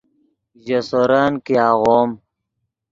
ژے سورن کہ آغوم